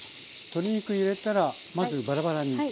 鶏肉入れたらまずバラバラに。